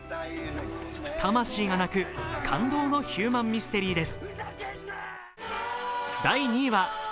魂が泣く感動のヒューマンミステリーです。